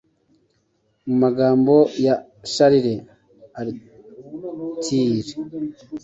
mu magambo ya Charles Altieri,